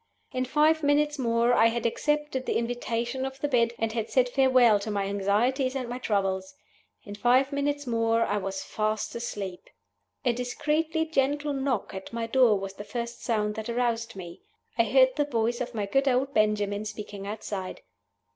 In five minutes more I had accepted the invitation of the bed, and had said farewell to my anxieties and my troubles. In five minutes more I was fast asleep. A discreetly gentle knock at my door was the first sound that aroused me. I heard the voice of my good old Benjamin speaking outside.